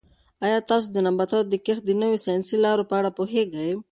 آیا تاسو د نباتاتو د کښت د نویو ساینسي لارو په اړه پوهېږئ؟